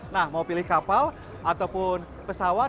nah mau pilih kapal ataupun pesawat